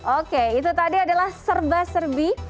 oke itu tadi adalah serba serbi